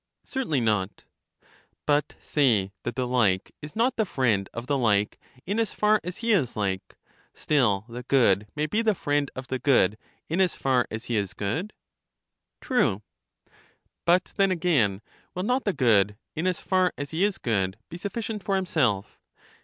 Certainly not. But say that the like is not the friend of the like in as far as he is like ; still the good may be the friend of the good in as far as he is good. True. But then again, will not the good, in as far as he IS good, be sufficient for himself?